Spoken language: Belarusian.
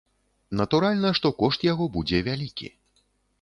Натуральна, што кошт яго будзе вялікі.